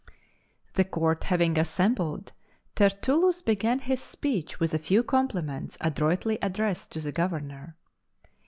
The court having assembled, TertuUus began his speech with a few compliments adroitly addressed to the Governor.